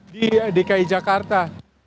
di dki jakarta